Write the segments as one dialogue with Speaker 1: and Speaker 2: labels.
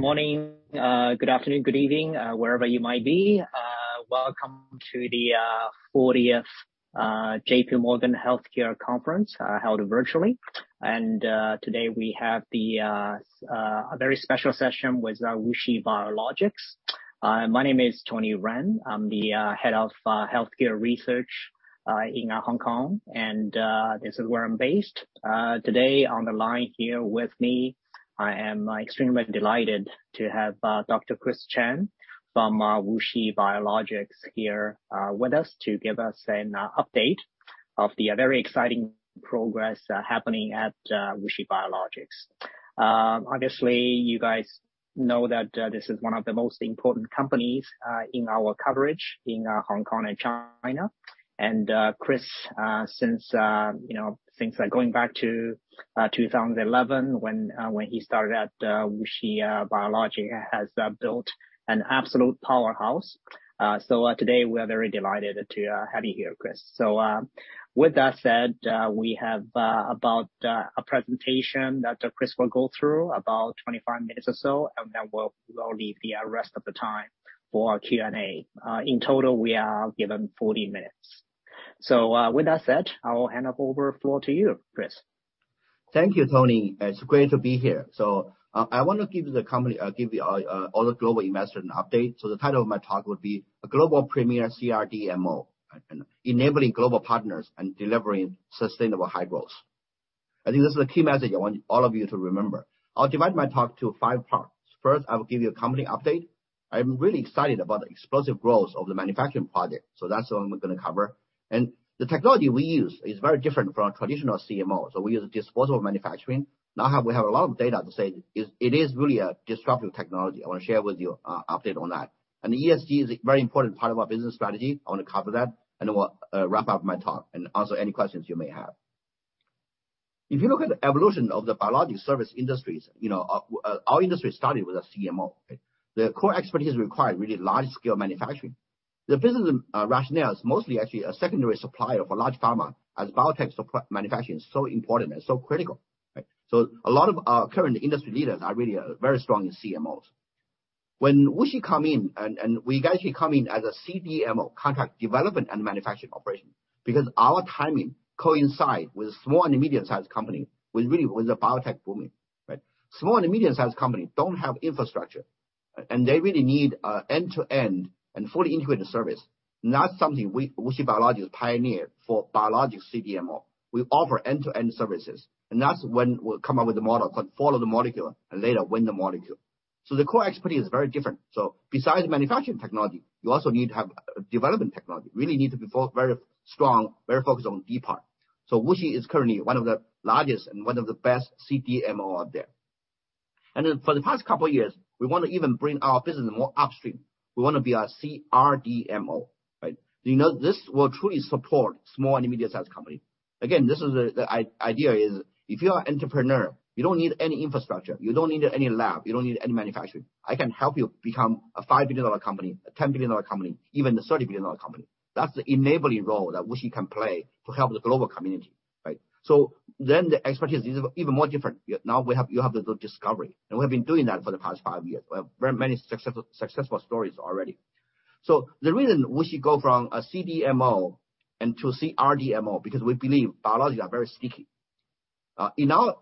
Speaker 1: Good morning, good afternoon, good evening, wherever you might be. Welcome to the 40th J.P. Morgan Healthcare Conference, held virtually. Today we have the very special session with WuXi Biologics. My name is Tony Ren. I'm the head of healthcare research in Hong Kong, and this is where I'm based. Today on the line here with me, I am extremely delighted to have Dr. Chris Chen from WuXi Biologics here with us to give us an update of the very exciting progress happening at WuXi Biologics. Obviously you guys know that this is one of the most important companies in our coverage in Hong Kong and China. Chris, since you know, since, like, going back to 2011 when you started at WuXi Biologics has built an absolute powerhouse. Today we are very delighted to have you here, Chris. With that said, we have about a presentation that Chris will go through, about 25 minutes or so, and then we'll leave the rest of the time for Q&A. In total, we are given 40 minutes. With that said, I will hand the floor over to you, Chris.
Speaker 2: Thank you, Tony. It's great to be here. I wanna give all the global investors an update. The title of my talk will be A Global Premier CRDMO, enabling global partners and delivering sustainable high growth. I think this is the key message I want all of you to remember. I'll divide my talk to five parts. First, I will give you a company update. I'm really excited about the explosive growth of the manufacturing project. That's what I'm gonna cover. The technology we use is very different from traditional CMOs. We use disposable manufacturing. We have a lot of data to say it is really a disruptive technology. I want to share with you an update on that. ESG is a very important part of our business strategy. I wanna cover that and we'll wrap up my talk and answer any questions you may have. If you look at the evolution of the biologics service industries, you know, our industry started with a CMO, okay? The core expertise required really large scale manufacturing. The business rationale is mostly actually a secondary supplier for large pharma as biotech manufacturing is so important and so critical. Right? A lot of our current industry leaders are really very strong in CMOs. When WuXi come in and we actually come in as a CDMO, contract development and manufacturing operation, because our timing coincide with small and medium-sized company, with really the biotech booming, right? Small and medium-sized company don't have infrastructure, and they really need a end-to-end and fully integrated service, and that's something WuXi Biologics pioneer for biologics CDMO. We offer end-to-end services, and that's when we come up with the model called Follow-the-Molecule and later Win-the-Molecule. The core expertise is very different. Besides manufacturing technology, you also need to have development technology. Really need to be very strong, very focused on D part. WuXi is currently one of the largest and one of the best CDMO out there. For the past couple years, we want to even bring our business more upstream. We wanna be a CRDMO, right? You know, this will truly support small and medium-sized company. Again, this is the idea is if you are entrepreneur, you don't need any infrastructure, you don't need any lab, you don't need any manufacturing. I can help you become a $5 billion company, a $10 billion company, even a $30 billion company. That's the enabling role that WuXi can play to help the global community, right? The expertise is even more different. Now we have the discovery. We have been doing that for the past five years. We have very many successful stories already. The reason WuXi go from a CDMO into CRDMO, because we believe biologics are very sticky. In our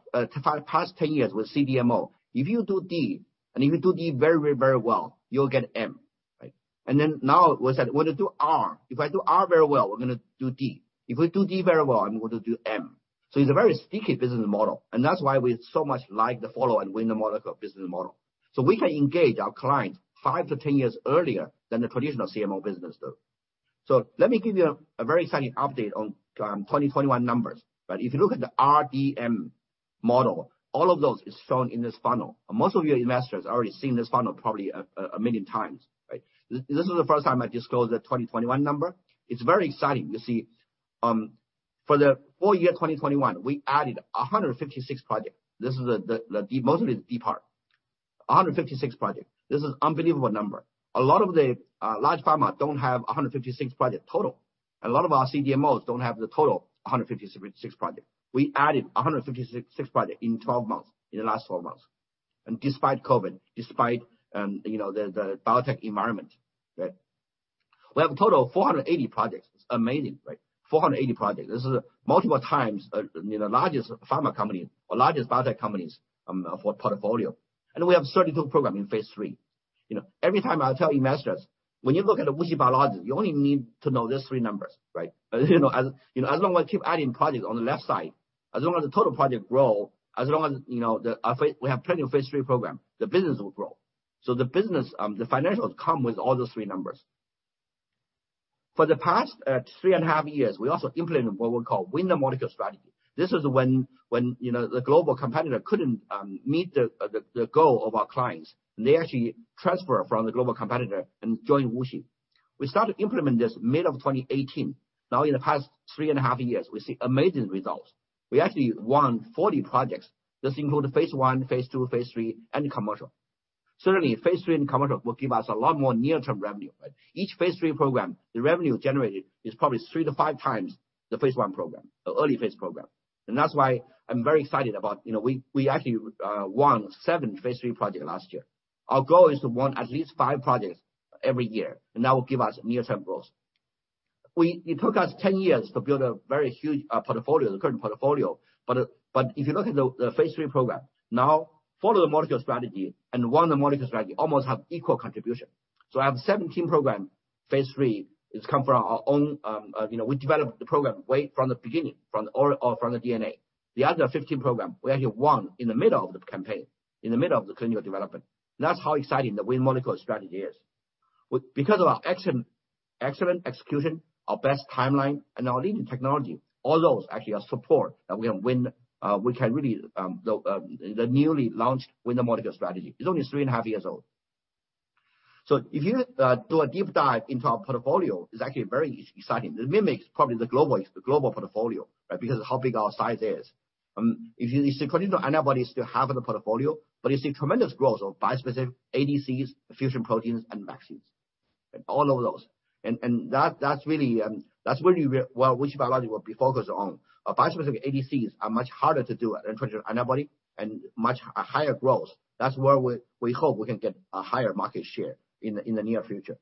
Speaker 2: past ten years with CDMO, if you do D, and if you do D very well, you'll get M, right? Now we said we wanna do R. If I do R very well, we're gonna do D. If we do D very well, I'm going to do M. It's a very sticky business model, and that's why we so much like the Follow the Molecule and Win-the-Molecule business model. We can engage our clients 5-10 years earlier than the traditional CMO business do. Let me give you a very exciting update on 2021 numbers. If you look at the RDM model, all of those is shown in this funnel. Most of you investors have already seen this funnel probably a million times, right? This is the first time I disclose the 2021 number. It's very exciting. You see, for the full year 2021, we added 156 projects. This is the D, mostly D part. 156 projects. This is unbelievable number. A lot of the large pharma don't have 156 project total. A lot of our CDMOs don't have the total 156 projects. We added 156 projects in 12 months, in the last 12 months. Despite COVID, despite the biotech environment, right? We have a total of 480 projects. It's amazing, right? 480 projects. This is multiple times largest pharma company or largest biotech companies for portfolio. We have 32 program in phase III. Every time I tell investors, when you look at the WuXi Biologics, you only need to know these three numbers, right? As long as I keep adding projects on the left side, as long as the total project grow, as long as we have plenty of phase III program, the business will grow. The business, the financials come with all those three numbers. For the past three and a half years, we also implemented what we call Win-the-Molecule strategy. This is when the global competitor couldn't meet the goal of our clients, and they actually transfer from the global competitor and join WuXi. We started implementing this mid-2018. Now, in the past three and a half years, we see amazing results. We actually won 40 projects. This include phase I, phase II, phase III, and commercial. Certainly phase III in clinical will give us a lot more near-term revenue, right? Each phase III program, the revenue generated is probably 3-5 times the phase I program, the early phase program. That's why I'm very excited about we actually won 7 phase III project last year. Our goal is to win at least five projects every year, and that will give us near-term growth. It took us 10 years to build a very huge portfolio, the current portfolio, but if you look at the phase III program, now Follow the Molecule strategy, and Win-the-Molecule strategy almost have equal contribution. I have 17 programs, phase III, that come from our own, you know, we developed the program all the way from the beginning, from the DNA. The other 15 programs, we actually won in the middle of the campaign, in the middle of the clinical development. That's how exciting the Win-the-Molecule strategy is. Because of our excellent execution, our best timeline, and our leading technology, all those actually are support that we are win, we can really, the newly launched Win-the-Molecule strategy. It's only three and a half years old. If you do a deep dive into our portfolio, it's actually very exciting. It mimics probably the global portfolio, right? Because of how big our size is. If you—it's antibodies still half of the portfolio, but you see tremendous growth of bispecific ADCs, fusion proteins, and vaccines, and all of those. That's really where WuXi Biologics will be focused on. Our bispecific ADCs are much harder to do it than antibody and much higher growth. That's where we hope we can get a higher market share in the near future.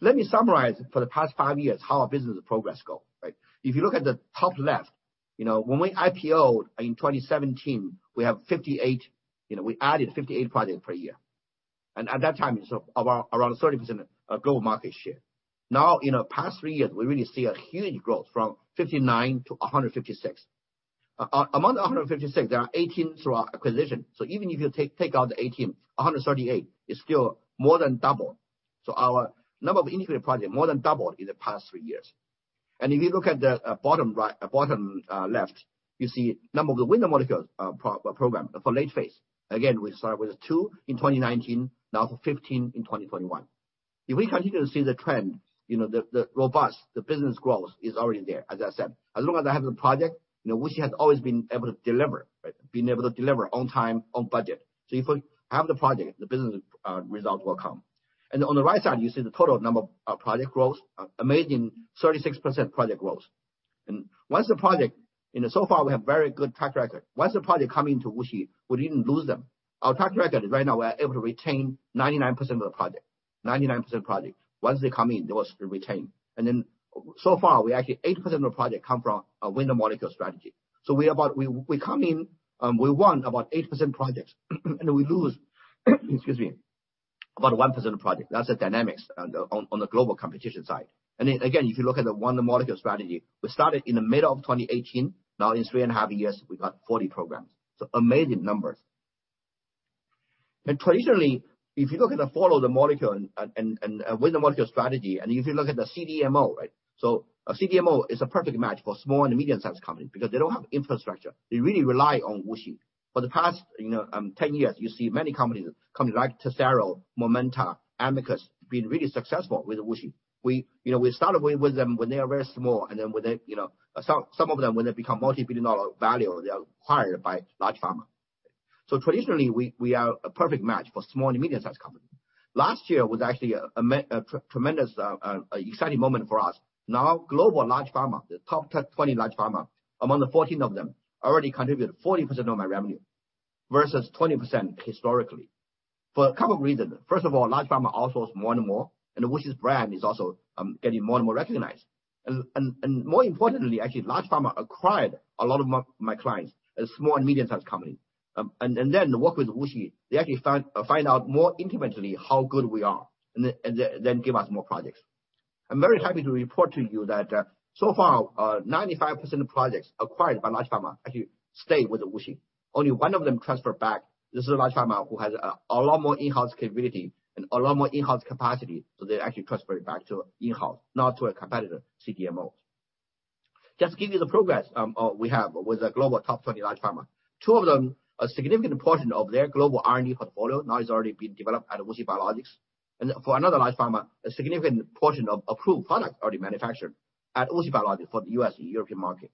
Speaker 2: Let me summarize for the past 5 years, how our business progress go, right? If you look at the top left, you know, when we IPO'd in 2017, we have 58, you know, we added 58 projects per year. At that time, it's around 30% of global market share. Now, in the past 3 years, we really see a huge growth from 59 to 156. Among the 156, there are 18 through our acquisition. So even if you take out the 18, 138 is still more than double. So our number of integrated project more than doubled in the past 3 years. If you look at the bottom left, you see number of the Win-the-Molecule program for late phase. Again, we start with two in 2019, now to 15 in 2021. If we continue to see the trend, you know, the robust business growth is already there, as I said. As long as I have the project, you know, WuXi has always been able to deliver, right? Been able to deliver on time, on budget. If we have the project, the business result will come. On the right side, you see the total number of project growth, amazing 36% project growth. You know, so far, we have very good track record. Once the project come into WuXi, we didn't lose them. Our track record right now, we are able to retain 99% of the project. Once they come in, they will still retain. So far, we actually 8% of the project come from a Win-the-Molecule strategy. We come in, we won about 8% projects, and we lose, excuse me, about 1% of project. That's the dynamics on the global competition side. If you look at the Win-the-Molecule strategy, we started in the middle of 2018. Now in three and a half years, we got 40 programs. Amazing numbers. Traditionally, if you look at the Follow-the-Molecule and Win-the-Molecule strategy, and if you look at the CDMO, right? A CDMO is a perfect match for small and medium-sized companies because they don't have infrastructure. They really rely on WuXi. For the past 10 years, you see many companies like Tesaro, Momenta, Amicus, been really successful with WuXi. We started with them when they are very small, and then, some of them, when they become multi-billion dollar value, they are acquired by large pharma. Traditionally we are a perfect match for small and medium-sized companies. Last year was actually a tremendous, exciting moment for us. Now global large pharma, the top 20 large pharma, among the 14 of them, already contributed 40% of my revenue versus 20% historically. For a couple of reasons. First of all, large pharma outsources more and more, and WuXi's brand is also getting more and more recognized. More importantly, actually, large pharma acquired a lot of my clients as small and medium-sized companies. Then the work with WuXi, they actually find out more intimately how good we are and then give us more projects. I'm very happy to report to you that so far 95% of projects acquired by large pharma actually stay with WuXi. Only one of them transferred back. This is a large pharma who has a lot more in-house capability and a lot more in-house capacity, so they actually transferred back to in-house, not to a competitor CDMO. Just give you the progress we have with the global top 20 large pharma. Two of them, a significant portion of their global R&D portfolio now is already being developed at WuXi Biologics. For another large pharma, a significant portion of approved product already manufactured at WuXi Biologics for the U.S. and European market.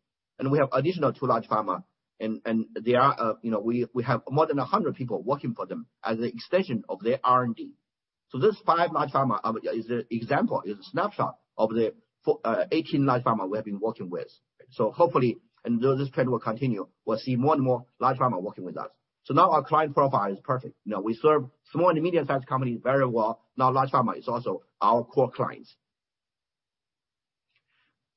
Speaker 2: We have additional two large pharma, and they are, we have more than 100 people working for them as an extension of their R&D. This five large pharma is an example, a snapshot of the 18 large pharma we have been working with. Hopefully, although this trend will continue, we'll see more and more large pharma working with us. Now our client profile is perfect. Now we serve small and medium-sized companies very well. Now large pharma is also our core clients.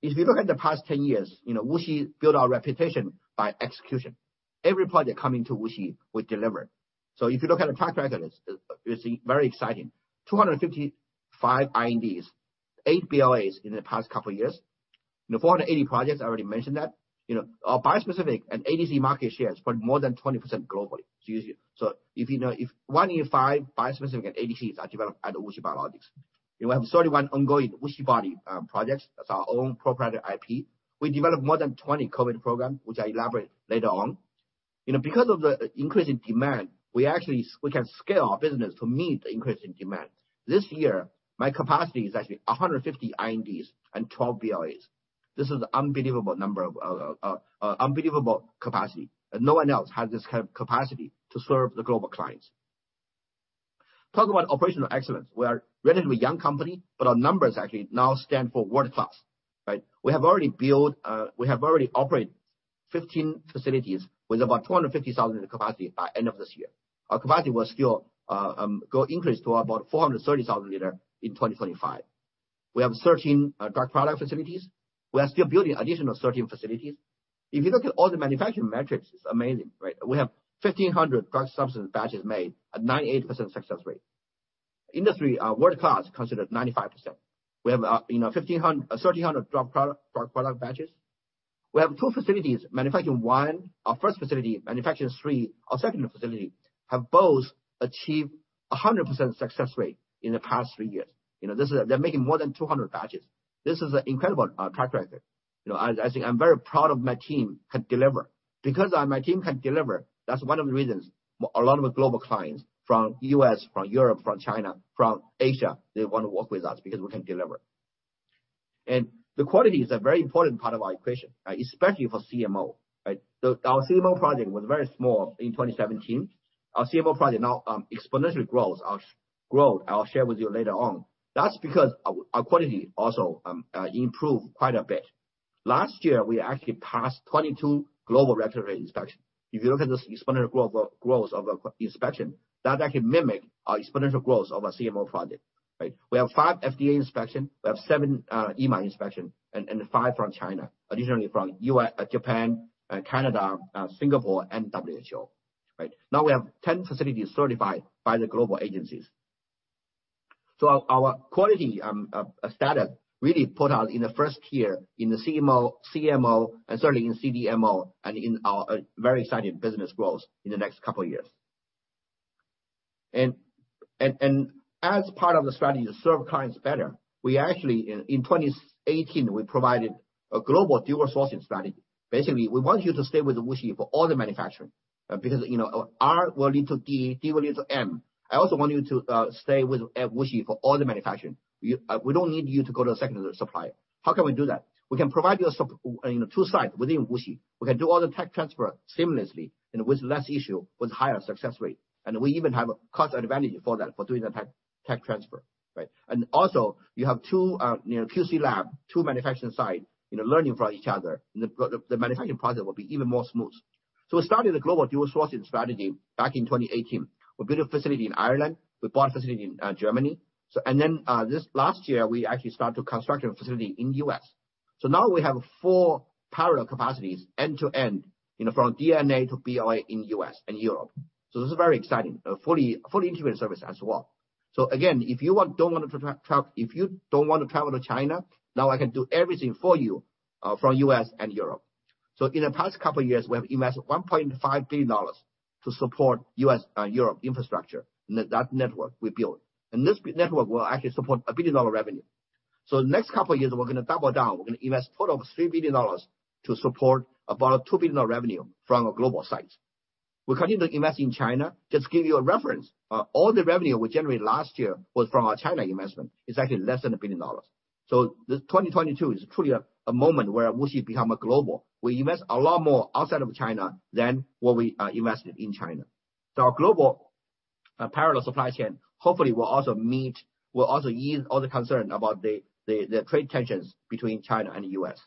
Speaker 2: If you look at the past 10 years, you know, WuXi built our reputation by execution. Every project coming to WuXi, we deliver. If you look at the track record, it's very exciting. 255 INDs, 8 BLAs in the past couple of years. You know, 480 projects, I already mentioned that. You know, our bispecific and ADC market shares for more than 20% globally. Usually, if you know, if 1 in 5 bispecific and ADCs are developed at WuXi Biologics. You know, we have 31 ongoing WuXiBody projects. That's our own proprietary IP. We developed more than 20 COVID programs, which I elaborate later on. You know, because of the increase in demand, we actually can scale our business to meet the increase in demand. This year, my capacity is actually 150 INDs and 12 BLAs. This is unbelievable number of unbelievable capacity. No one else has this kind of capacity to serve the global clients. Talk about operational excellence. We are relatively young company, but our numbers actually now stand for world-class, right? We have already operate 15 facilities with about 250,000 in capacity by end of this year. Our capacity will still grow, increase to about 430,000 liter in 2025. We have 13 drug product facilities. We are still building additional 13 facilities. If you look at all the manufacturing metrics, it's amazing, right? We have 1,500 drug substance batches made at 98% success rate. Industry world-class considered 95%. We have 1,500. 1,300 drug product batches. We have two facilities manufacturing one. Our first facility manufactures three. Our second facility have both achieved a 100% success rate in the past three years. You know, They're making more than 200 batches. This is an incredible track record. You know, I think I'm very proud of my team can deliver. Because my team can deliver, that's one of the reasons a lot of global clients from U.S., from Europe, from China, from Asia, they wanna work with us because we can deliver. The quality is a very important part of our equation, especially for CMO, right? Our CMO project was very small in 2017. Our CMO project now exponentially grown. I'll share with you later on. That's because our quality also improved quite a bit. Last year, we actually passed 22 global regulatory inspections. If you look at this exponential growth of inspection, that actually mimic our exponential growth of our CMO project, right? We have 5 FDA inspections, we have 7 EMA inspections, and 5 from China. Additionally from U.S., Japan, Canada, Singapore and WHO, right? Now we have 10 facilities certified by the global agencies. So our quality standard really put us in the first Tier in the CMO and certainly in CDMO and in our very exciting business growth in the next couple years. As part of the strategy to serve clients better, we actually in 2018, we provided a global dual sourcing strategy. Basically, we want you to stay with WuXi for all the manufacturing, because, you know, R will lead to D will lead to M. I also want you to stay with WuXi for all the manufacturing. We don't need you to go to a second supplier. How can we do that? We can provide you two sites within WuXi. We can do all the tech transfer seamlessly and with less issue, with higher success rate, and we even have a cost advantage for that, for doing the tech transfer, right? And also you have two QC labs, two manufacturing sites, you know, learning from each other. The manufacturing process will be even more smooth. We started the global dual sourcing strategy back in 2018. We built a facility in Ireland. We bought a facility in Germany. This last year, we actually start to construct a facility in the U.S. Now we have four parallel capacities end-to-end, you know, from DNA to BLA in the U.S. and Europe. This is very exciting. A fully integrated service as well. Again, if you want, don't want to travel to China, now I can do everything for you from the U.S. and Europe. In the past couple years, we have invested $1.5 billion to support U.S. Europe infrastructure. That network we built. This network will actually support $1 billion revenue. The next couple years, we're gonna double down. We're gonna invest total of $3 billion to support about $2 billion of revenue from our global sites. We continue to invest in China. Just give you a reference, all the revenue we generated last year was from our China investment. It's actually less than $1 billion. 2022 is truly a moment where WuXi become a global. We invest a lot more outside of China than what we invested in China. Our global parallel supply chain hopefully will also ease all the concern about the trade tensions between China and the U.S.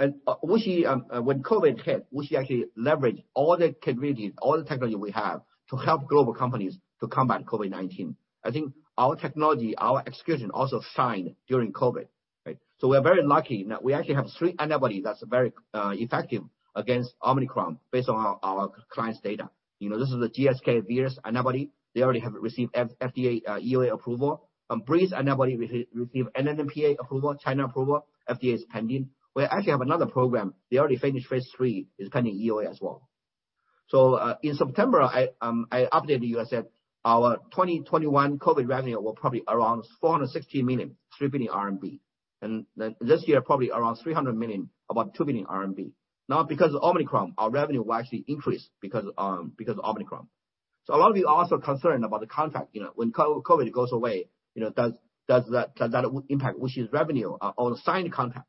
Speaker 2: WuXi, when COVID hit, WuXi actually leveraged all the capabilities, all the technology we have to help global companies to combat COVID-19. I think our technology, our execution also shined during COVID, right? We are very lucky in that we actually have three antibody that's very effective against Omicron based on our client's data. You know, this is the GSK/Vir antibody. They already have received FDA EUA approval. Brii antibody received NMPA approval, China approval. FDA is pending. We actually have another program. They already finished phase III, is pending EUA as well. In September, I updated you. I said our 2021 COVID revenue was probably around $460 million, 3 billion RMB. This year, probably around $300 million, about 2 billion RMB. Now because of Omicron, our revenue will actually increase because of Omicron. A lot of you are also concerned about the contract. You know, when COVID goes away, you know, does that impact WuXi's revenue or the signed contract?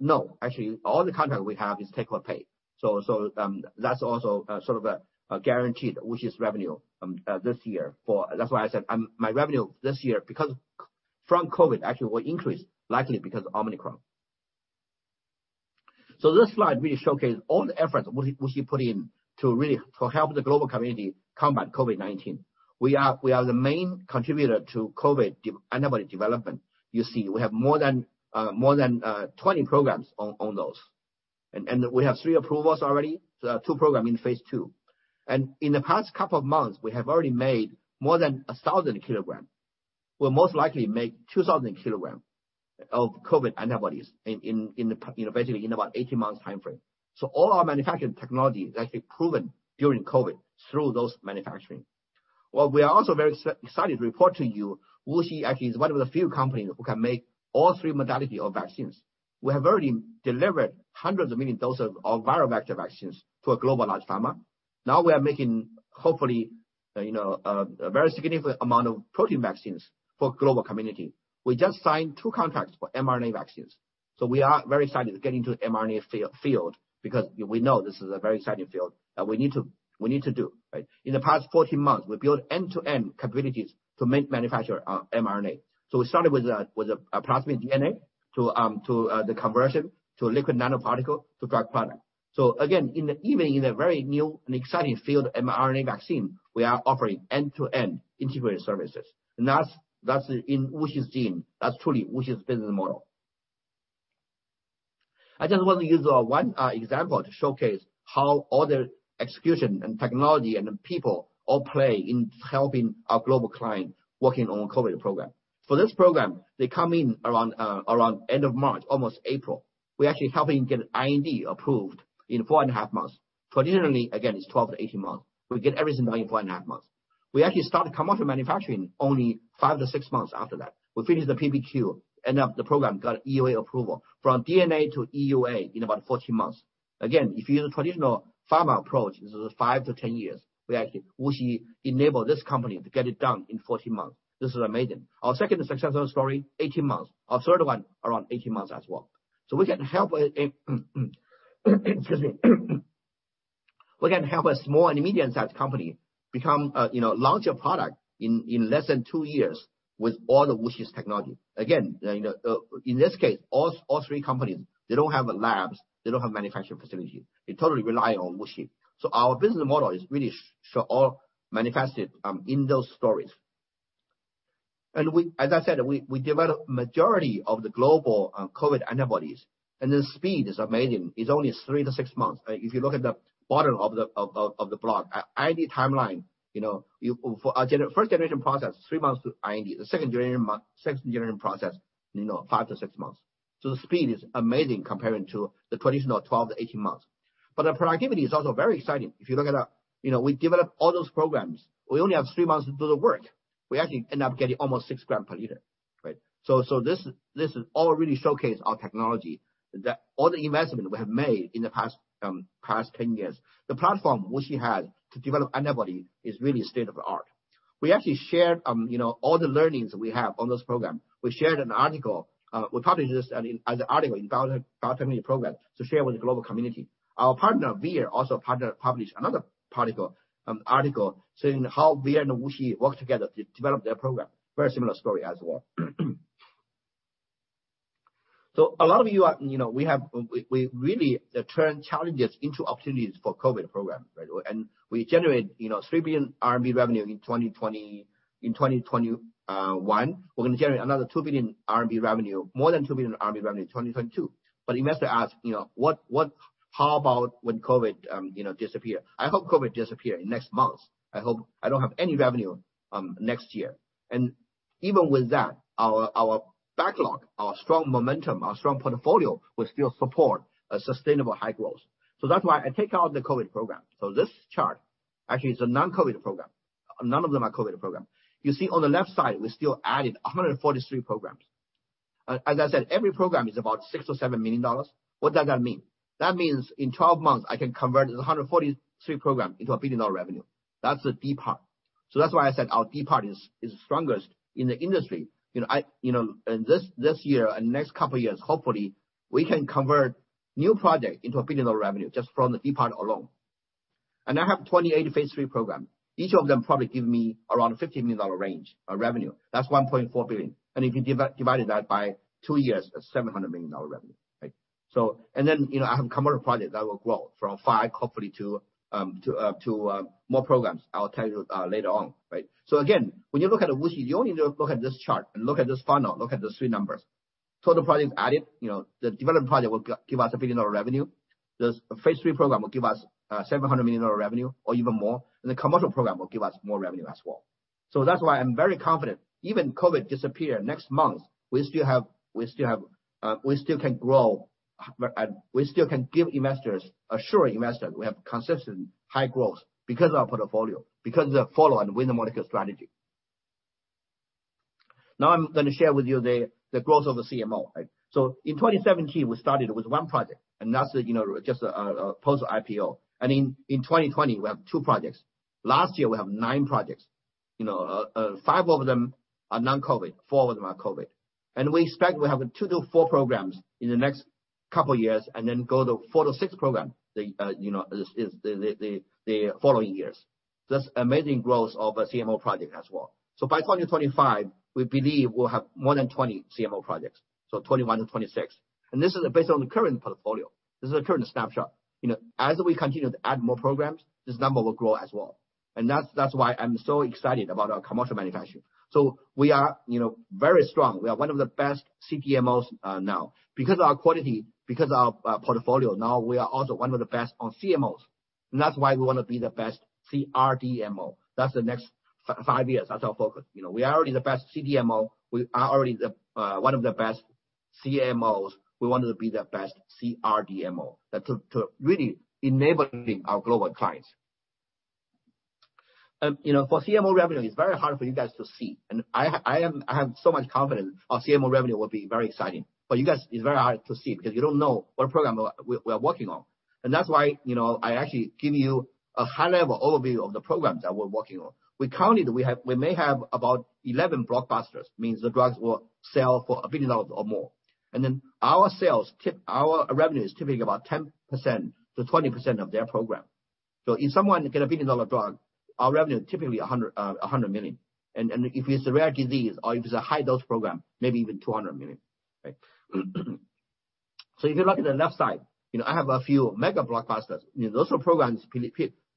Speaker 2: No. Actually, all the contract we have is take or pay. That's also sort of a guaranteed WuXi's revenue this year for. That's why I said my revenue this year because from COVID actually will increase likely because of Omicron. This slide really showcases all the efforts WuXi put in to really to help the global community combat COVID-19. We are the main contributor to COVID antibody development. You see, we have more than 20 programs on those. We have 3 approvals already. Two programs in phase II. In the past couple of months, we have already made more than a thousand kilogram. We'll most likely make 2,000 kilogram of COVID antibodies in you know basically in about 18 months timeframe. All our manufacturing technology is actually proven during COVID through those manufacturing. Well, we are also very excited to report to you WuXi actually is one of the few companies who can make all three modalities of vaccines. We have already delivered hundreds of millions of doses of viral vector vaccines to a global large pharma. Now we are making, you know, a very significant amount of protein vaccines for global community. We just signed two contracts for mRNA vaccines. We are very excited to get into mRNA field, because we know this is a very exciting field that we need to do, right? In the past 14 months, we built end-to-end capabilities to manufacture mRNA. We started with plasmid DNA to the conversion to lipid nanoparticle to drug product. Even in a very new and exciting field, mRNA vaccine, we are offering end-to-end integrated services. That's in WuXi's gene. That's truly WuXi's business model. I just want to use 1 example to showcase how all the execution and technology and the people all play in helping our global client working on a COVID program. For this program, they come in around end of March, almost April. We're actually helping get an IND approved in four and a half months. Traditionally, again, it's 12-18 months. We get everything done in four and a half months. We actually start the commercial manufacturing only 5-6 months after that. We finish the PPQ, end up the program, got EUA approval. From DNA to EUA in about 14 months. Again, if you use a traditional pharma approach, this is 5-10 years. We actually WuXi enabled this company to get it done in 14 months. This is amazing. Our second successful story, 18 months. Our third one, around 18 months as well. We can help a small and medium-sized company become, you know, launch a product in less than 2 years with all the WuXi's technology. Again, you know, in this case, all three companies, they don't have labs, they don't have manufacturing facility. They totally rely on WuXi. So our business model is really small manifested in those stories. We, as I said, develop majority of the global COVID antibodies, and the speed is amazing. It's only 3-6 months. If you look at the bottom of the block, IND timeline, you know, for our first generation process, 3 months to IND. The second generation process, you know, 5-6 months. The speed is amazing comparing to the traditional 12-18 months. The productivity is also very exciting. If you look at our. You know, we develop all those programs. We only have 3 months to do the work. We actually end up getting almost 6 g/L, right? So this all really showcase our technology, that all the investment we have made in the past 10 years. The platform WuXi had to develop antibody is really state-of-the-art. We actually shared you know, all the learnings we have on this program. We shared an article we published this as an article in biopharma program to share with the global community. Our partner, Vir, also published another article saying how Vir and WuXi worked together to develop their program. Very similar story as well. A lot of you are, you know, we really turn challenges into opportunities for COVID program, right? We generate, you know, 3 billion RMB revenue in 2021. We're gonna generate another 2 billion RMB revenue, more than 2 billion RMB revenue in 2022. Investors ask, you know, "What? How about when COVID, you know, disappear?" I hope COVID disappear in next month. I hope I don't have any revenue next year. Even with that, our backlog, our strong momentum, our strong portfolio will still support a sustainable high growth. That's why I take out the COVID program. This chart actually is a non-COVID program. None of them are COVID program. You see on the left side, we still added 143 programs. As I said, every program is about $6 million or $7 million. What does that mean? That means in 12 months, I can convert this 143 program into a billion-dollar revenue. That's the D&M part. That's why I said our D&M part is strongest in the industry. You know, in this year and next couple of years, hopefully, we can convert new project into a billion-dollar revenue just from the D&M part alone. I have 28 phase III program. Each of them probably give me around a $50 million range of revenue. That's $1.4 billion. If you divide that by 2 years, that's $700 million revenue, right? You know, I have commercial project that will grow from 5, hopefully to more programs. I'll tell you later on, right? Again, when you look at WuXi, you only need to look at this chart and look at this funnel, look at these three numbers. Total projects added, you know, the development project will give us a $1 billion revenue. This phase III program will give us $700 million revenue or even more. The commercial program will give us more revenue as well. That's why I'm very confident even if COVID disappears next month, we still can grow. We still can give investors assurance we have consistent high growth because of our portfolio, because of Follow the Molecule, Win-the-Molecule strategy. Now I'm gonna share with you the growth of the CMO, right? In 2017, we started with 1 project, that's you know just a post-IPO. In 2020, we have 2 projects. Last year, we have 9 projects. Five of them are non-COVID, 4 of them are COVID. We expect we have 2-4 programs in the next couple years, and then go to 4-6 programs in the following years. That's amazing growth of a CMO project as well. By 2025, we believe we'll have more than 20 CMO projects, 21-26. This is based on the current portfolio. This is the current snapshot. You know, as we continue to add more programs, this number will grow as well. That's why I'm so excited about our commercial manufacturing. We are, you know, very strong. We are one of the best CDMOs now. Because of our quality, because of our portfolio, now we are also one of the best on CMOs. That's why we wanna be the best CRDMO. That's the next five years. That's our focus. You know, we are already the best CDMO. We are already the one of the best CMOs. We want to be the best CRDMO. That's to really enable our global clients. You know, for CMO revenue, it's very hard for you guys to see. I have so much confidence our CMO revenue will be very exciting. You guys, it's very hard to see because you don't know what program we are working on. That's why, you know, I actually give you a high-level overview of the programs that we're working on. We may have about 11 blockbusters, means the drugs will sell for $1 billion or more. Our revenue is typically about 10%-20% of their program. If someone get a billion-dollar drug, our revenue is typically $100 million. If it's a rare disease or if it's a high-dose program, maybe even $200 million, right? If you look at the left side, you know, I have a few mega blockbusters. You know, those are programs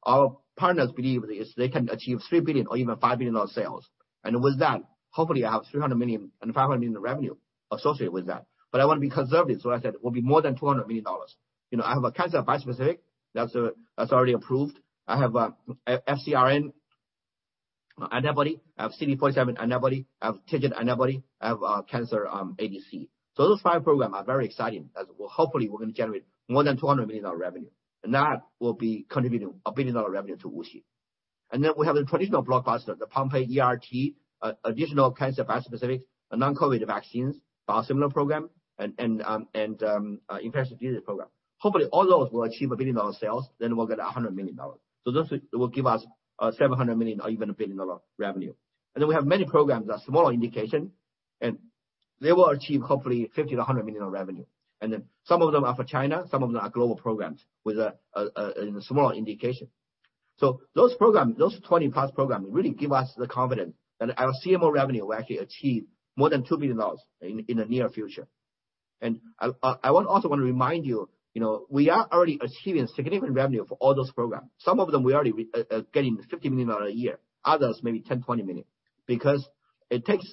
Speaker 2: our partners believe they can achieve $3 billion or even $5 billion sales. With that, hopefully I have $300 million and $500 million in revenue associated with that. I wanna be conservative, so I said it will be more than $200 million. You know, I have a cancer bispecific that's already approved. I have FcRn antibody, I have CD47 antibody, I have TIGIT antibody, I have cancer ADC. Those five programs are very exciting hopefully we're gonna generate more than $200 million revenue. That will be contributing $1 billion revenue to WuXi. Then we have the traditional blockbuster, the Pompe ERT, additional cancer bispecific, a non-COVID vaccines, biosimilar program and infectious disease program. Hopefully, all those will achieve $1 billion sales, then we'll get $100 million. Those will give us $700 million or even $1 billion revenue. We have many programs that are smaller indication, and they will achieve hopefully $50 million-$100 million of revenue. Some of them are for China, some of them are global programs with a small indication. Those programs, those 20-plus programs really give us the confidence that our CMO revenue will actually achieve more than $2 billion in the near future. I also wanna remind you know, we are already achieving significant revenue for all those programs. Some of them we already getting $50 million a year, others maybe $10-$20 million. Because it takes,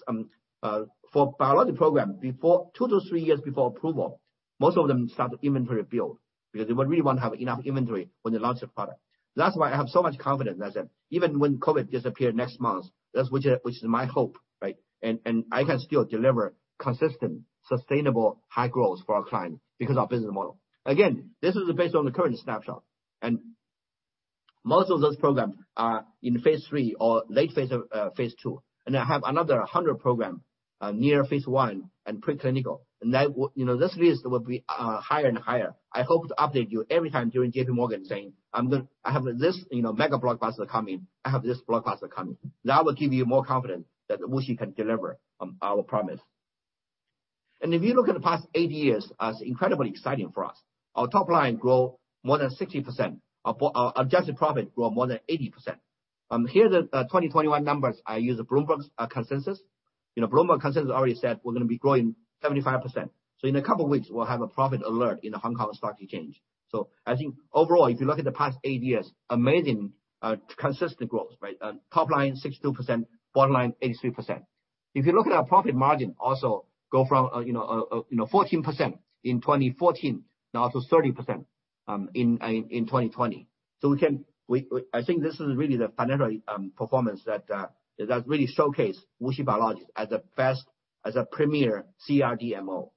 Speaker 2: for biologic program, 2-3 years before approval, most of them start to inventory build because they would really wanna have enough inventory when they launch the product. That's why I have so much confidence, I said, even when COVID disappear next month, that's my hope, right? I can still deliver consistent, sustainable high growth for our client because our business model. Again, this is based on the current snapshot, and most of those programs are in phase III or late phase II. I have another 100 program near phase I and pre-clinical. That will, you know, this list will be higher and higher. I hope to update you every time during J.P. Morgan saying, "I'm gonna I have this, you know, mega blockbuster coming. I have this blockbuster coming." That will give you more confidence that WuXi can deliver on our promise. If you look at the past eight years has been incredibly exciting for us, our top line grew more than 60%. Our adjusted profit grew more than 80%. Here are the 2021 numbers. I use Bloomberg's consensus. You know, Bloomberg consensus already said we're gonna be growing 75%. In a couple weeks, we'll have a profit alert in the Hong Kong Stock Exchange. I think overall, if you look at the past eight years, amazing consistent growth, right? Top line 62%, bottom line 83%. If you look at our profit margin, also go from you know fourteen percent in 2014, now to 30% in 2020. We can we I think this is really the financial performance that really showcase WuXi Biologics as a best, as a premier CRDMO.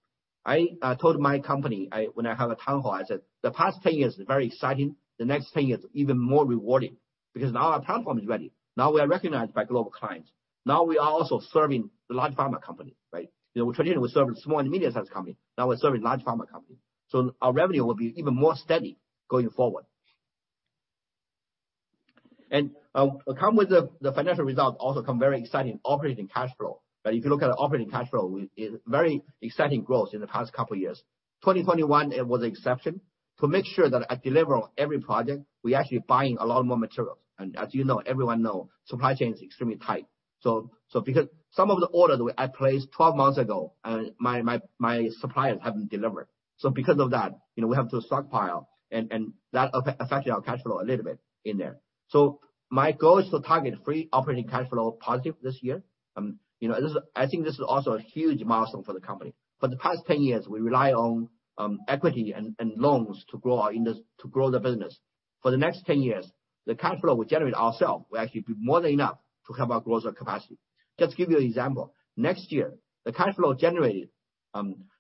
Speaker 2: I told my company when I have a town hall, I said, "The past ten years is very exciting. The next ten years even more rewarding, because now our platform is ready. Now we are recognized by global clients. Now we are also serving the large pharma company, right?" You know, traditionally we serve small and medium-sized company, now we're serving large pharma company. Our revenue will be even more steady going forward. With the financial results also comes very exciting operating cash flow, right? If you look at the operating cash flow, very exciting growth in the past couple years. 2021, it was an exception. To make sure that I deliver on every project, we're actually buying a lot more materials. As you know, everyone knows, supply chain is extremely tight. Because some of the orders I placed 12 months ago, and my suppliers haven't delivered. Because of that, you know, we have to stockpile and that affected our cash flow a little bit in there. My goal is to target free operating cash flow positive this year. You know, I think this is also a huge milestone for the company. For the past 10 years, we rely on equity and loans to grow the business. For the next 10 years, the cash flow we generate ourselves will actually be more than enough to help our growth or capacity. Just give you an example. Next year, the cash flow generated,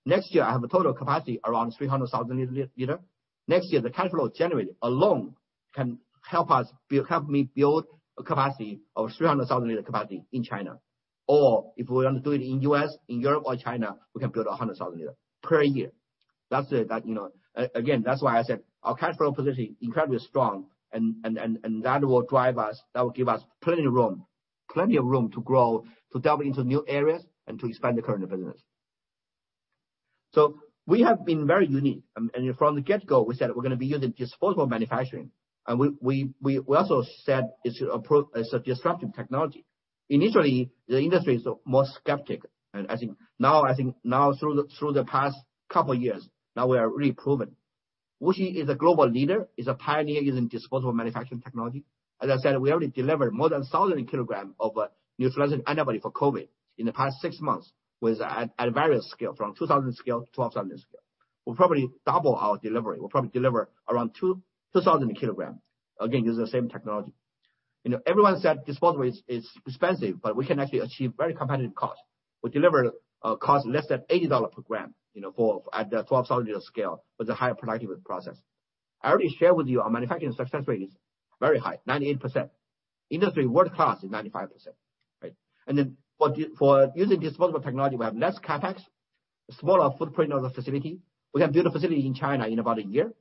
Speaker 2: next year I have a total capacity around 300,000-liter. Next year, the cash flow generated alone can help me build a capacity of 300,000 liter capacity in China. Or if we wanna do it in U.S., in Europe or China, we can build a 100,000 liter per year. That's, you know. Again, that's why I said our cash flow position incredibly strong and that will drive us, that will give us plenty of room to grow, to delve into new areas and to expand the current business. We have been very unique. From the get-go, we said we're gonna be using disposable manufacturing. We also said it's a disruptive technology. Initially, the industry is more skeptical. I think now through the past couple years, we are really proven. WuXi is a global leader, is a pioneer using disposable manufacturing technology. As I said, we already delivered more than 1,000 kilograms of neutralizing antibody for COVID in the past six months at various scales, from 2,000 scale to 12,000 scale. We'll probably double our delivery. We'll probably deliver around 2,000 kilograms. Again, using the same technology. You know, everyone said disposable is expensive, but we can actually achieve very competitive cost. We deliver a cost less than $80 per gram, you know, for the 12,000-liter scale with a higher productivity process. I already shared with you our manufacturing success rate is very high, 98%. Industry world class is 95%. Right? For using disposable technology, we have less CapEx, a smaller footprint of the facility. We have built a facility in China in about a year,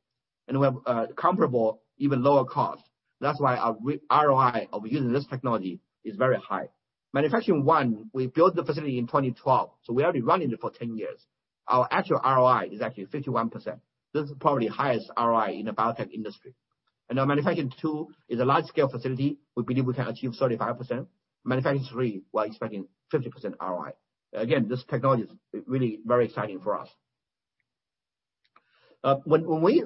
Speaker 2: and we have comparable, even lower cost. That's why our ROI of using this technology is very high. Manufacturing one, we built the facility in 2012, so we already running it for 10 years. Our actual ROI is actually 51%. This is probably the highest ROI in the biotech industry. Our Manufacturing 2 is a large-scale facility. We believe we can achieve 35%. Manufacturing 3, we're expecting 50% ROI. Again, this technology is really very exciting for us. When we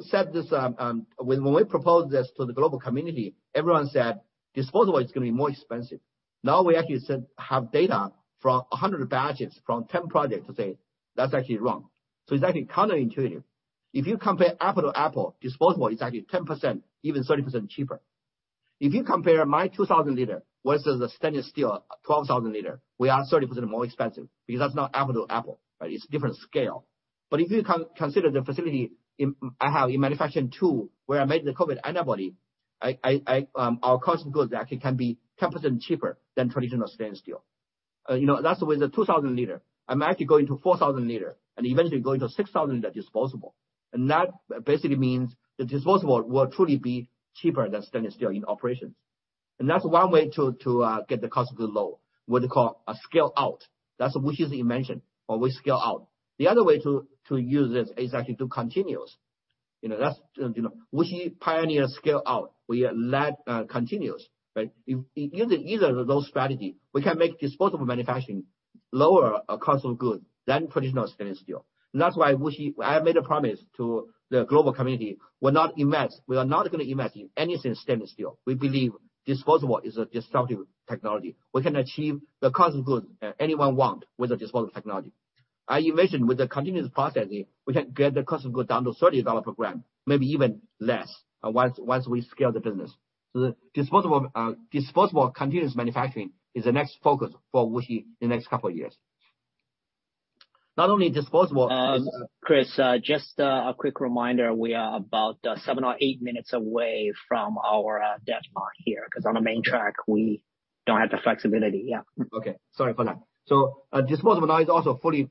Speaker 2: proposed this to the global community, everyone said disposable is gonna be more expensive. Now we actually have data from 100 batches from 10 projects to say, "That's actually wrong." So it's actually counterintuitive. If you compare apples to apples, disposable is actually 10%, even 30% cheaper. If you compare my 2,000-liter versus a stainless steel 12,000-liter, we are 30% more expensive because that's not apples to apples, right? It's different scale. If you consider the facility I have in manufacturing 2, where I made the COVID antibody, our cost of goods actually can be 10% cheaper than traditional stainless steel. You know, that's the way the 2,000-liter. I'm actually going to 4,000-liter and eventually going to 6,000-liter disposable. That basically means the disposable will truly be cheaper than stainless steel in operations. That's one way to get the cost of goods low, what they call a scale out. That's WuXi's invention, where we scale out. The other way to use this is actually do continuous. You know, that's WuXi pioneered scale out, we are also continuous, right? Using either of those strategy, we can make disposable manufacturing lower our cost of goods than traditional stainless steel. That's why WuXi, I made a promise to the global community, we are not gonna invest in any stainless steel. We believe disposable is a disruptive technology. We can achieve the cost of goods anyone want with the disposable technology. I envision with the continuous processing, we can get the cost of goods down to $30 per gram, maybe even less, once we scale the business. The disposable continuous manufacturing is the next focus for WuXi in the next couple of years. Not only disposable
Speaker 1: Chris, just a quick reminder, we are about seven or eight minutes away from our deadline here, 'cause on the main track we don't have the flexibility. Yeah.
Speaker 2: Okay. Sorry for that. Disposable now is also fully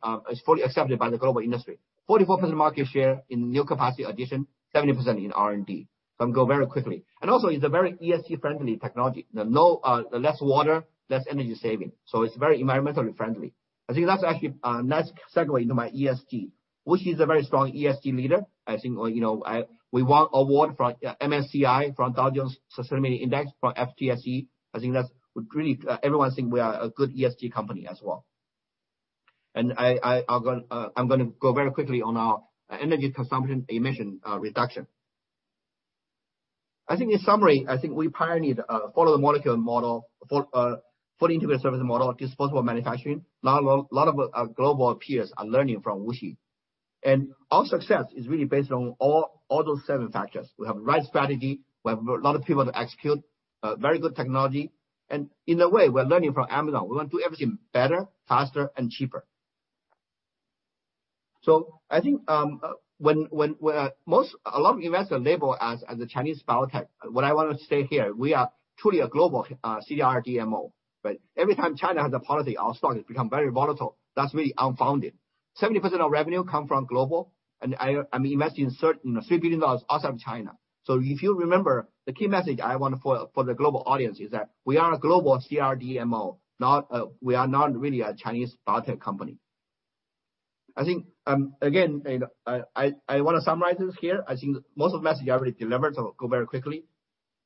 Speaker 2: accepted by the global industry. 44% market share in new capacity addition, 70% in R&D, can go very quickly. It is a very ESG friendly technology. The low, the less water, less energy saving, so it's very environmentally friendly. I think that's actually a nice segue into my ESG. WuXi is a very strong ESG leader. I think, you know, we won award from MSCI, from Dow Jones Sustainability Index, from FTSE. I think that's pretty, everyone think we are a good ESG company as well. I'll go very quickly on our energy consumption emission reduction. I think in summary, I think we pioneered follow the molecule model for full integrated service model, disposable manufacturing. lot of global peers are learning from WuXi. Our success is really based on all those seven factors. We have the right strategy, we have a lot of people to execute, very good technology, and in a way, we're learning from Amazon. We wanna do everything better, faster, and cheaper. I think when a lot of investors label us as a Chinese biotech. What I wanna state here, we are truly a global CRDMO, right? Every time China has a policy, our stock has become very volatile. That's really unfounded. 70% of revenue come from global, and I'm investing certain, you know, $3 billion outside of China. If you remember, the key message I want for the global audience is that we are a global CRDMO, not we are not really a Chinese biotech company. I think again I wanna summarize this here. I think most of the message I already delivered, go very quickly.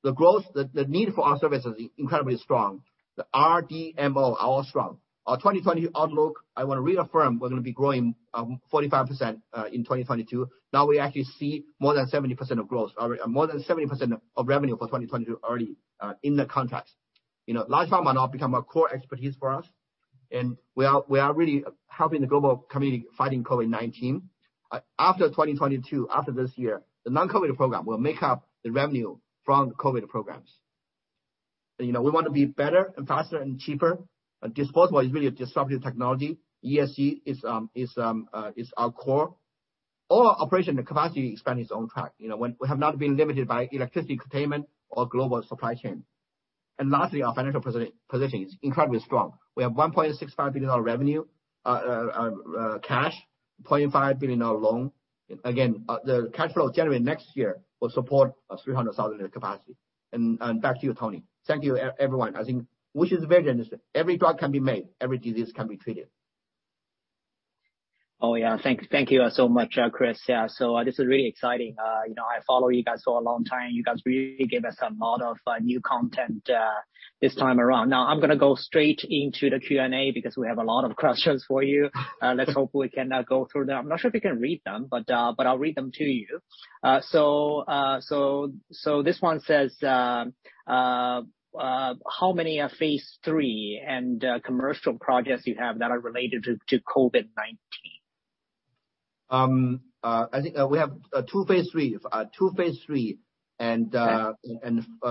Speaker 2: The growth, the need for our service is incredibly strong. The CRDMO are strong. Our 2021 outlook, I wanna reaffirm we're gonna be growing 45% in 2022. Now we actually see more than 70% of growth. More than 70% of revenue for 2022 already in the contract. You know, large pharma now become a core expertise for us, and we are really helping the global community fighting COVID-19. After 2022, after this year, the non-COVID program will make up the revenue from COVID programs. You know, we want to be better and faster and cheaper. Disposable is really a disruptive technology. ESG is our core. All our operation and capacity expansion is on track. You know, we have not been limited by electricity constraints or global supply chain. Lastly, our financial position is incredibly strong. We have $1.65 billion revenue, cash, $0.5 billion loan. Again, the cash flow generated next year will support 300,000-liter capacity. Back to you, Tony. Thank you everyone. I think WuXi is very generous. Every drug can be made, every disease can be treated.
Speaker 1: Oh, yeah. Thank you so much, Chris. Yeah, so this is really exciting. You know, I follow you guys for a long time. You guys really gave us a lot of new content this time around. Now I'm gonna go straight into the Q&A because we have a lot of questions for you. Let's hope we can go through them. I'm not sure if you can read them, but I'll read them to you. So this one says, how many phase III and commercial projects you have that are related to COVID-19?
Speaker 2: I think we have two phase III and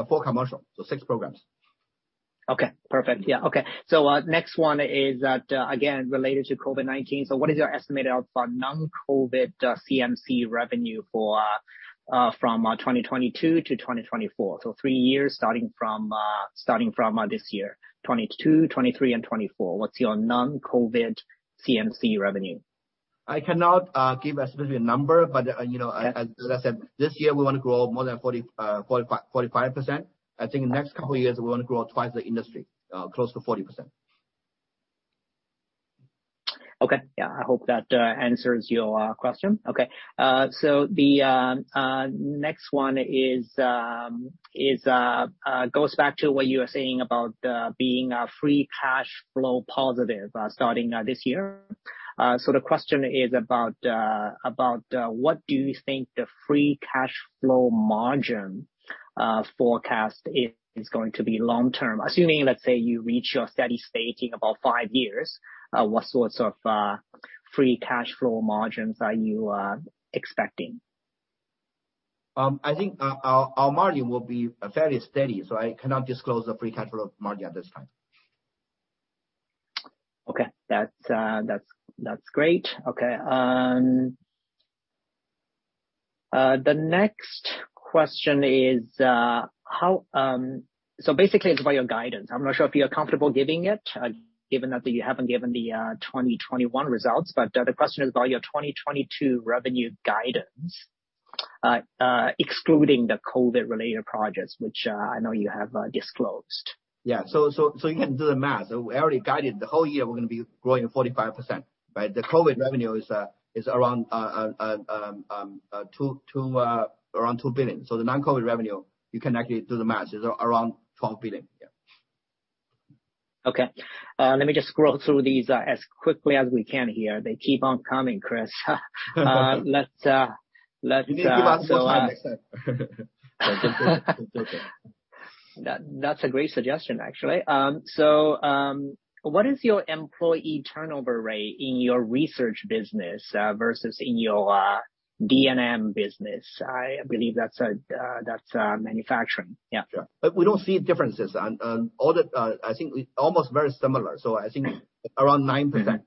Speaker 2: four commercial. Six programs.
Speaker 1: Okay, perfect. Yeah, okay. Next one is that, again, related to COVID-19. What is your estimate of non-COVID CMC revenue from 2022 to 2024? Three years starting from this year, 2022, 2023 and 2024. What's your non-COVID CMC revenue?
Speaker 2: I cannot give a specific number, but you know, as I said, this year we wanna grow more than 45%. I think next couple years we wanna grow twice the industry, close to 40%.
Speaker 1: Okay. Yeah, I hope that answers your question. Okay. The next one goes back to what you were saying about being free cash flow positive starting this year. The question is about what do you think the free cash flow margin forecast is going to be long term? Assuming, let's say, you reach your steady state in about five years, what sorts of free cash flow margins are you expecting?
Speaker 2: I think our margin will be fairly steady, so I cannot disclose the free cash flow margin at this time.
Speaker 1: Okay. That's great. Okay. The next question is basically about your guidance. I'm not sure if you're comfortable giving it, given that you haven't given the 2021 results. The question is about your 2022 revenue guidance, excluding the COVID-related projects, which I know you have disclosed.
Speaker 2: Yeah. You can do the math. We already guided the whole year we're gonna be growing 45%, right? The COVID revenue is around 2 billion. The non-COVID revenue, you can actually do the math, is around 12 billion. Yeah.
Speaker 1: Okay. Let me just scroll through these as quickly as we can here. They keep on coming, Chris. Let's
Speaker 2: You need to give us more time next time.
Speaker 1: That's a great suggestion, actually. What is your employee turnover rate in your research business versus in your D&M business? I believe that's manufacturing.
Speaker 2: Sure. We don't see differences. All the, I think almost very similar. I think around 9%.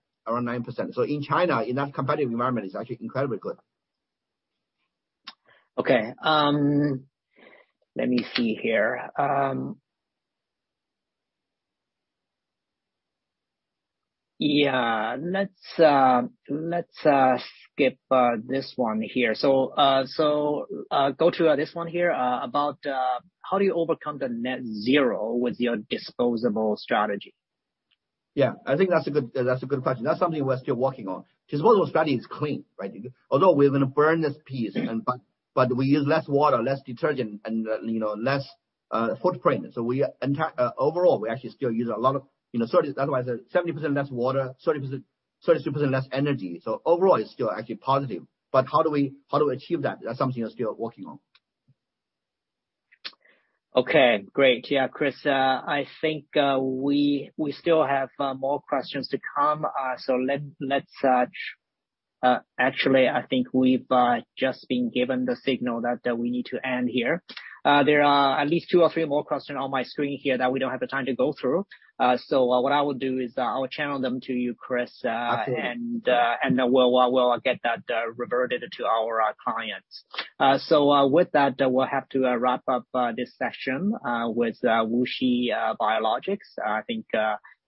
Speaker 2: In China, in that competitive environment, it's actually incredibly good.
Speaker 1: Okay. Let me see here. Yeah. Let's skip this one here. So go to this one here about how do you overcome the net zero with your disposable strategy?
Speaker 2: I think that's a good question. That's something we're still working on. Disposable strategy is clean, right? Although we're gonna burn this piece, but we use less water, less detergent and, you know, less footprint. Overall, we actually still use a lot of, you know, so otherwise it's 70% less water, 30%-32% less energy. Overall it's still actually positive. How do we achieve that? That's something we're still working on.
Speaker 1: Okay, great. Yeah. Chris, I think we still have more questions to come. Actually, I think we've just been given the signal that we need to end here. There are at least two or three more questions on my screen here that we don't have the time to go through. What I will do is, I will channel them to you, Chris.
Speaker 2: Absolutely.
Speaker 1: We'll get that reverted to our clients. With that, we'll have to wrap up this session with WuXi Biologics. I think,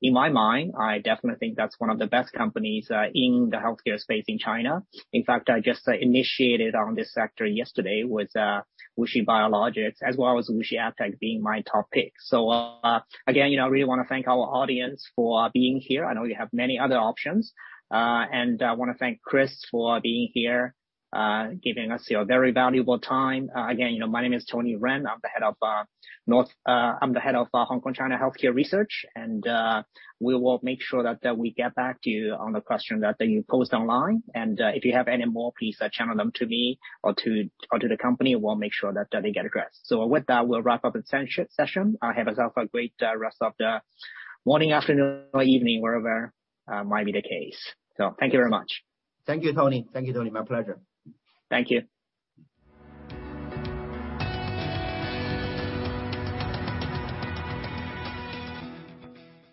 Speaker 1: in my mind, I definitely think that's one of the best companies in the healthcare space in China. In fact, I just initiated on this sector yesterday with WuXi Biologics, as well as WuXi AppTec being my top pick. Again, you know, I really wanna thank our audience for being here. I know you have many other options. I wanna thank Chris for being here, giving us your very valuable time. Again, you know, my name is Tony Ren, I'm the Head of Greater China Healthcare Research. We will make sure that we get back to you on the question that you post online. If you have any more, please channel them to me or to the company. We'll make sure that they get addressed. With that, we'll wrap up the session. Have yourself a great rest of the morning, afternoon or evening, wherever might be the case. Thank you very much.
Speaker 2: Thank you, Tony. My pleasure.
Speaker 1: Thank you.